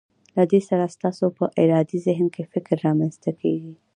له دې سره ستاسو په ارادي ذهن کې فکر رامنځته کیږي.